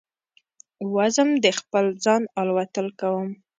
وزم د خپل ځانه الوتل کوم